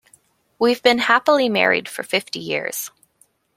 We've been happily married for fifty years.